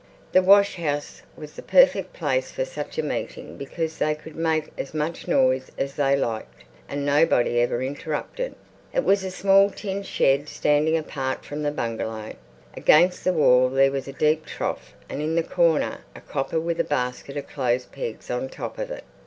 The washhouse was the perfect place for such a meeting because they could make as much noise as they liked, and nobody ever interrupted. It was a small tin shed standing apart from the bungalow. Against the wall there was a deep trough and in the corner a copper with a basket of clothes pegs on top of it.